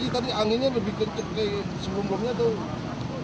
tadi anginnya lebih kencang kayak sepupunya tuh